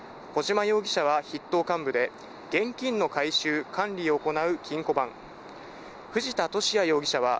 小島容疑者は筆頭幹部で現金の回収・管理行う金庫番。